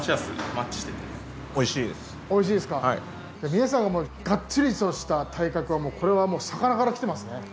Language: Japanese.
皆さんがガッチリとした体格はこれはもう魚から来てますね。